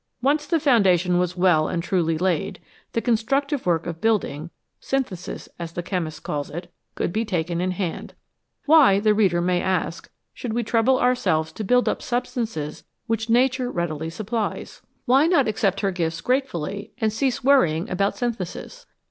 Once the foundation was well and truly laid, the constructive work of building synthesis, as the chemist calls it could be taken in hand. Why, the reader may ask, should we trouble ourselves to build up substances which Nature readily supplies ? 248 HOW MAN COMPETES WITH NATURE Why not accept her gifts gratefully, and cease worrying about " synthesis